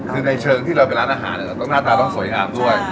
คือในเชิงที่เราเป็นร้านอาหารหน้าตาต้องสวยงามด้วย